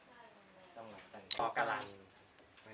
แล้วพวกเราจะมากกว่า